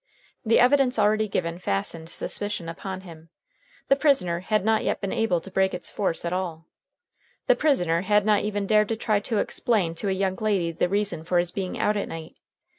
The evidence already given fastened suspicion upon him. The prisoner had not yet been able to break its force at all. The prisoner had not even dared to try to explain to a young lady the reason for his being out at night.